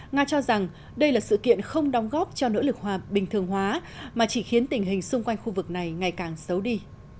nga cho rằng đây là sự kiện không đóng góp cho nỗ lực hòa bình thường hóa mà chỉ khiến tình hình xung quanh khu vực này ngày càng xấu đi